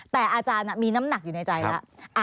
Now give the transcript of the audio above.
แต่อาจารย์มีน้ำหนักอยู่ในใจแล้ว